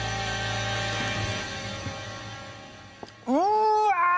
うわ！